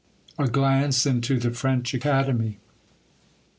A GLANCE INTO THE FRENCH ACADEMY.